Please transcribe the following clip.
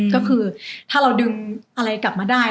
ก็คือถ้าเราดึงอะไรกลับมาได้